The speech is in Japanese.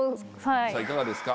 いかがですか？